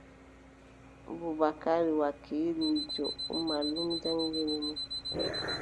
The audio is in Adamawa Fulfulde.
Bubakari wakiiliijo, ɗum mallum jaŋngini mo.